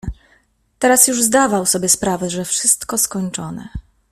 "Teraz już zdawał sobie sprawę, że wszystko skończone."